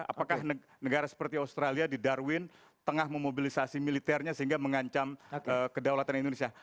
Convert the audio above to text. apakah negara seperti australia di darwin tengah memobilisasi militernya sehingga mengancam kedaulatan indonesia